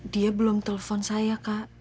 dia belum telpon saya kak